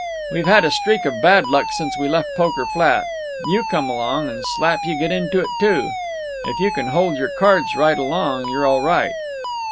We've had a streak of bad luck since we left Poker Flat you come along, and slap you get into it, too. If you can hold your cards right along you're all right.